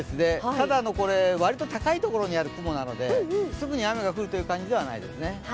ただ、割と高い所にある雲なのですぐに雨が降るという感じではないですね。